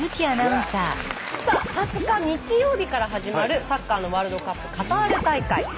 さあ２０日日曜日から始まるサッカーのワールドカップカタール大会。